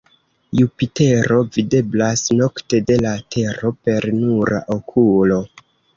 Jupitero videblas nokte de la Tero per nura okulo.